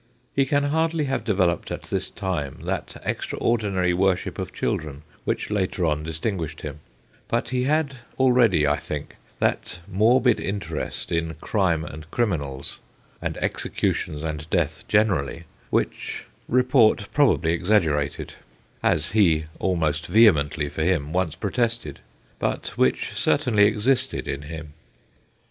He can hard]y have developed at this time that extraordinary worship of children which later on distinguished him, but he had already, I think, that morbid interest in crime and criminals, and executions and death generally, which report probably ex aggerated as he, almost vehemently for him, once protested but which certainly existed in him.